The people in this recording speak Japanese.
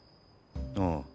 ああ。